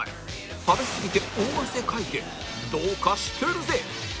食べすぎて大汗かいてどうかしてるぜ！